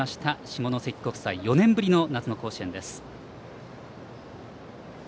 下関国際４年ぶりの夏の甲子園です。